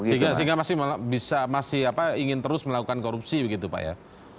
sehingga masih ingin terus melakukan korupsi begitu pak ya